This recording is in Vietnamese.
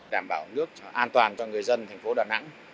đảm bảo nước an toàn cho người dân thành phố đà nẵng